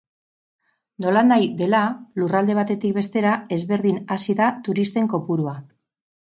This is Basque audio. Nolanahi dela, lurralde batetik bestera ezberdin hazi da turisten kopurua.